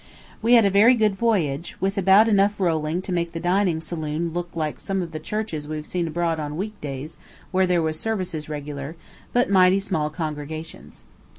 We had a very good voyage, with about enough rolling to make the dining saloon look like some of the churches we've seen abroad on weekdays where there was services regular, but mighty small congregations.